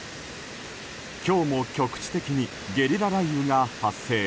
今日も局地的にゲリラ雷雨が発生。